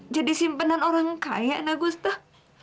jadi simpenan orang kaya nak gustaf